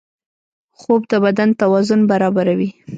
خوب د بدن توازن برابروي